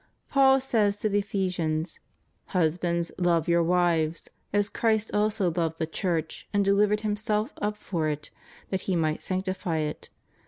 Paul says to the Ephesians: Husbands, love your wives, as Christ also loved the Church, and delivered Himself up for it, that He might sanctify it.